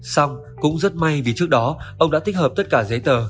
xong cũng rất may vì trước đó ông đã tích hợp tất cả giấy tờ